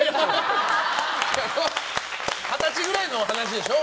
二十歳ぐらいの話でしょ。